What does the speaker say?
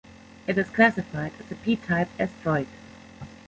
It is classified as a P-type asteroid.